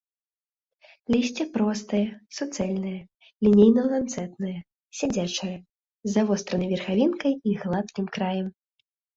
Лісце простае, суцэльнае, лінейна-ланцэтнае, сядзячае, з завостранай верхавінкай і гладкім краем.